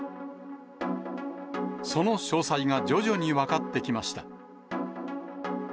その詳細が徐々に分かってきました。